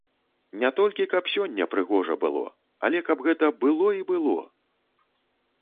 Не толькі каб сёння прыгожа было, але каб гэта было і было!